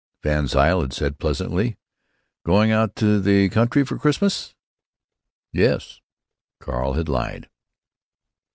VanZile had said, pleasantly, "Going out to the country for Christmas?" "Yes," Cal had lied.